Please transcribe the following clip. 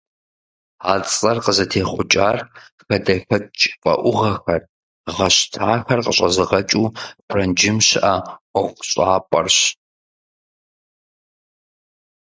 А цӏэр къызытехъукӏар хадэхэкӏ фӏэӏугъэхэр, гъэщтахэр къыщӏэзыгъэкӏыу Франджым щыӏэ ӏуэхущӏапӏэрщ.